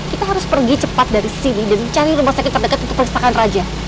kita harus pergi cepat dari sini dan mencari rumah sakit terdekat untuk perpustakaan raja